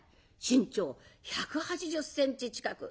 身長１８０センチ近く。